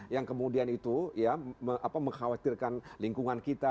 yang kemudian itu ya mengkhawatirkan lingkungan kita